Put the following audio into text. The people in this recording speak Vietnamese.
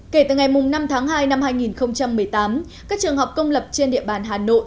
kể từ ngày năm tháng hai năm hai nghìn một mươi tám các trường học công lập trên địa bàn hà nội